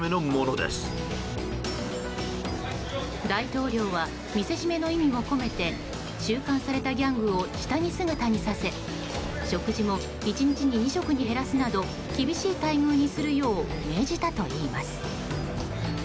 大統領は見せしめの意味も込めて収監されたギャングを下着姿にさせ食事も１日に２食に減らすなど厳しい待遇にするよう命じたといいます。